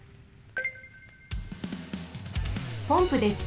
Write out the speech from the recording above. ポンプです。